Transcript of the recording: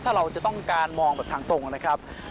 ถ้าเราจะต้องการมองแบบทางตรงนะครับ